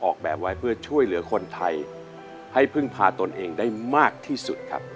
ออกแบบไว้เพื่อช่วยเหลือคนไทยให้พึ่งพาตนเองได้มากที่สุดครับ